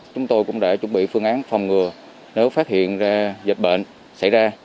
chúng tôi cũng đã chuẩn bị phương án phòng ngừa nếu phát hiện ra dịch bệnh xảy ra